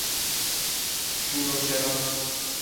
چونچرا